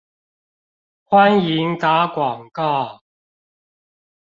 歡迎打廣告